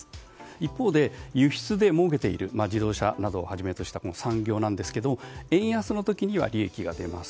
一方で、輸出でもうけている自動車などをはじめとした産業なんですけど、円安の時には利益が出ます。